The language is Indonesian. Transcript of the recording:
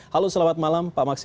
halo selamat malam pak maksi